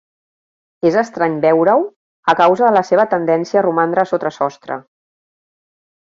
És estrany veure-ho a causa de la seva tendència a romandre sota sostre.